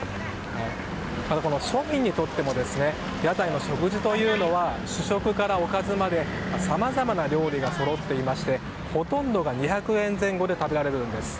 また、庶民にとっても屋台の食事というのは主食からおかずまでさまざまな料理がそろっていましてほとんどが２００円前後で食べられるんです。